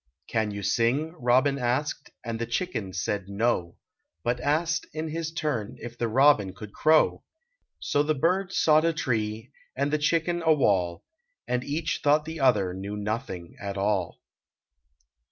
" Can you sing?" robin asked, and the chicken said, "No," But asked in his turn if the robin could crow. So the bird sought a tree and the chicken a wall. And each thought the other knew nothing at all.